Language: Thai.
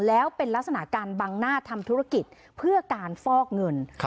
แล้วเป็นลักษณะการบังหน้าทำธุรกิจเพื่อการฟอกเงิน